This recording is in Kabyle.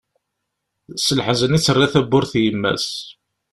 S leḥzen i d-terra tawwurt n yemma-s.